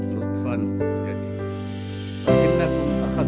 sekali lagi kami berdoa